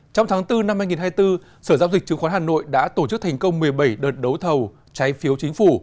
trong tháng bốn năm hai nghìn hai mươi bốn sở giao dịch chứng khoán hà nội đã tổ chức thành công một mươi bảy đợt đấu thầu trái phiếu chính phủ